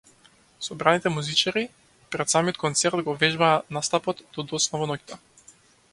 Собраните музичари пред самиот концерт го вежбаа настапот до доцна во ноќта.